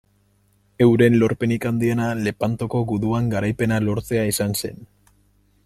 Euren lorpenik handiena Lepantoko guduan garaipena lortzea izan zen.